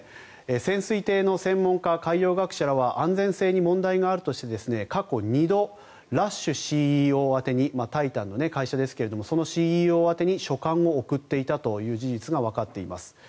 潜水艇の専門家、海洋学者らは安全性に問題があるとして過去２度ラッシュＣＥＯ宛てにタイタンの会社ですがそのＣＥＯ宛てに書簡を送っていたという事実がわかっています。